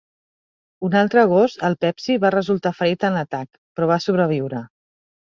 Un altre gos, el Pepsi, va resultar ferit en l'atac, però va sobreviure.